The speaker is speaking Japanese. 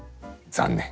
残念。